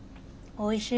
おいしい。